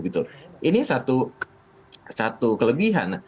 ini satu kelebihan